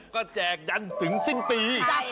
ก็แจกยันถึงสิ้นปี